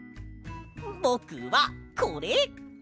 ぼくはこれ！